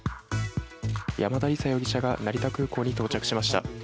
山田李沙容疑者が成田空港に到着しました。